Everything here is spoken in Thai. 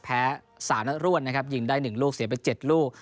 แพ้สามละร่วนนะครับหยิงได้หนึ่งลูกเสียเป็นเจ็ดลูก